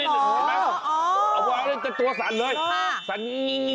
เห็นมั้ยวางเป็นตัวสันหรือยัง